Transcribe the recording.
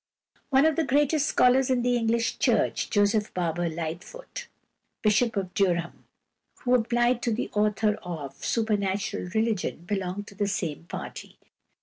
One of the greatest scholars in the English Church, =Joseph Barber Lightfoot (1828 1889)=, Bishop of Durham, who replied to the author of "Supernatural Religion," belonged to the same party.